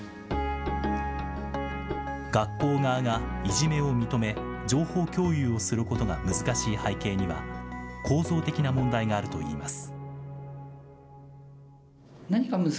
学校側がいじめを認め、情報共有をすることが難しい背景には、構造的な問題があるといいます。